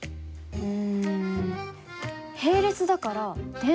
うん。